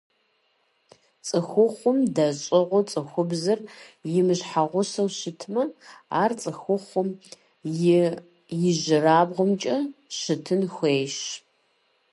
Цӏыхухъум дэщӏыгъу цӀыхубзыр имыщхьэгъусэу щытмэ, ар цӀыхухъум и ижьырабгъумкӀэ щытын хуейщ.